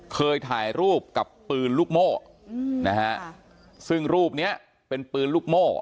เคยถ่ายรูปกับปืนลูกโม่นะฮะซึ่งรูปเนี้ยเป็นปืนลูกโม่